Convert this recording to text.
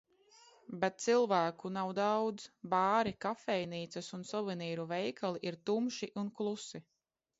Bet cilvēku nav daudz. Bāri, kafejnīcas un suvenīru veikali ir tumši un klusi.